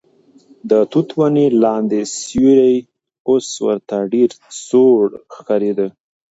د توت ونې لاندې سیوری اوس ورته ډېر سوړ ښکارېده.